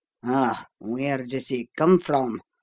"Ah, where does he come from?